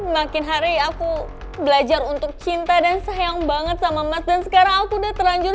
makin hari aku belajar untuk cinta dan sayang banget sama mas dan sekarang aku udah terlanjur